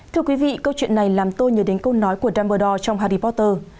thưa quý vị câu chuyện này làm tôi nhớ đến câu nói của dumbledore trong harry potter